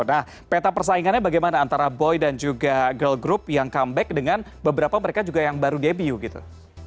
nah peta persaingannya bagaimana antara boy dan juga girl group yang comeback dengan beberapa mereka juga yang baru debu gitu